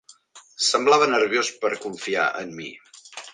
Semblava nerviós per confiar en mi.